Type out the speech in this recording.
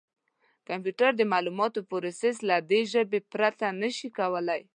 کمپیوټر د معلوماتو پروسس له دې ژبې پرته نه شي کولای.